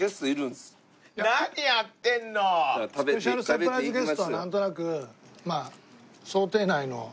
サプライズゲストはなんとなくまあ想定内の。